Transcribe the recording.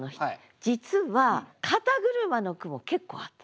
実は「肩車」の句も結構あった。